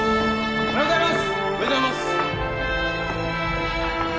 おはようございます！